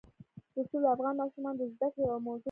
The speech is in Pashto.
رسوب د افغان ماشومانو د زده کړې یوه موضوع ده.